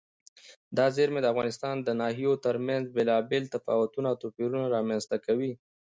دا زیرمې د افغانستان د ناحیو ترمنځ بېلابېل تفاوتونه او توپیرونه رامنځ ته کوي.